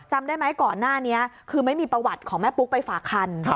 จำได้ไหมก่อนหน้านี้คือไม่มีประวัติของแม่ปุ๊กไปฝากคัน